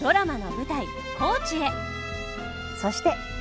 そして。